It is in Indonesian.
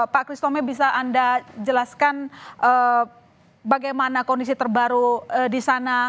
pak kristome bisa anda jelaskan bagaimana kondisi terbaru di sana